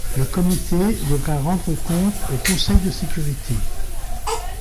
Le comité devra rendre compte au Conseil de sécurité.